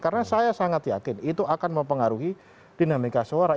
karena saya sangat yakin itu akan mempengaruhi dinamika suara